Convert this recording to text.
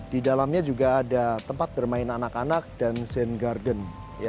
di dalamnya juga ada tempat bermain anak anak dan zain garden